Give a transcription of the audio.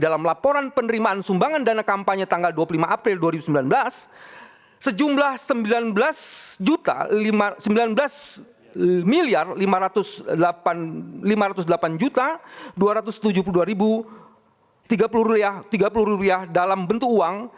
laporan penerimaan sumbangan dana kampanye tanggal dua puluh lima april dua ribu sembilan belas sejumlah sembilan belas miliar lima ratus delapan juta dua ratus tujuh puluh dua tiga puluh rupiah dalam bentuk uang